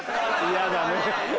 嫌だね。